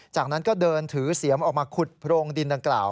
จากนั้นก็เดินถือเสียมออกมาขุดโพรงดินดังกล่าว